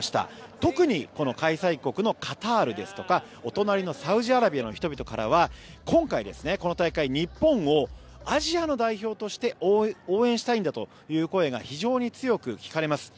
特にこの開催国のカタールですとかお隣のサウジアラビアの人々からは今回、この大会日本をアジアの代表として応援したいんだという声が非常に強く聞かれます。